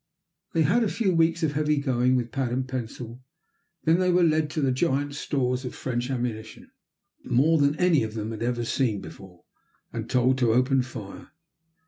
They had a few weeks of heavy going with pad and pencil, then they were led to the giant stores of French ammunition more than any of them had ever seen before and told to open fire.